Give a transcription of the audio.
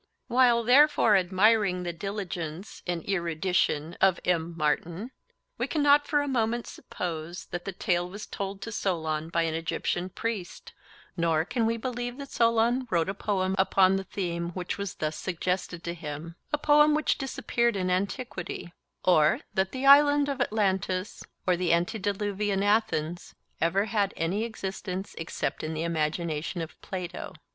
While therefore admiring the diligence and erudition of M. Martin, we cannot for a moment suppose that the tale was told to Solon by an Egyptian priest, nor can we believe that Solon wrote a poem upon the theme which was thus suggested to him—a poem which disappeared in antiquity; or that the Island of Atlantis or the antediluvian Athens ever had any existence except in the imagination of Plato.